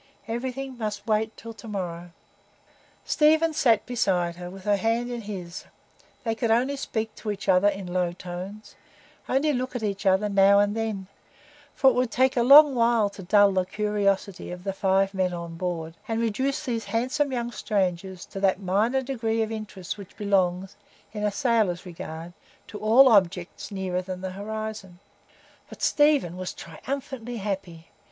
Everything must wait till to morrow. Stephen sat beside her with her hand in his; they could only speak to each other in low tones; only look at each other now and then, for it would take a long while to dull the curiosity of the five men on board, and reduce these handsome young strangers to that minor degree of interest which belongs, in a sailor's regard, to all objects nearer than the horizon. But Stephen was triumphantly happy.